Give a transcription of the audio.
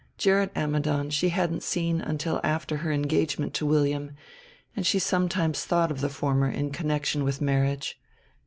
Gerrit Ammidon she hadn't seen until after her engagement to William, and she sometimes thought of the former in connection with marriage.